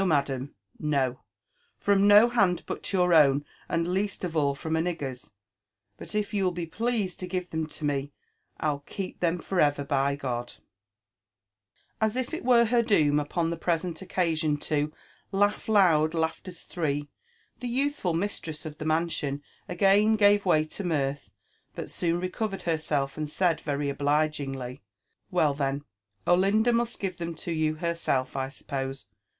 madam, no! — from no hand but your own.and least of all from a nigger's ; but if you'll be pleased to give them to me, I'll keep them for ever, by G— d 1 As if it were her doom upon the present occasion to " laugh loud laughters three," the youthful mistressi)f ihe mansion again gave way to mirth, but soon recovered herself and said very obligingly, *' Well, then, Oliuda must give them to you herself, I suppose.